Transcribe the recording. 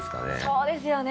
そうですよね。